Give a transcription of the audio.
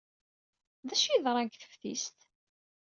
D acu ay yeḍran deg teftist?